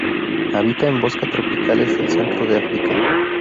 Habita en bosques tropicales del centro de África.